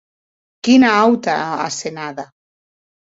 Quina auta asenada!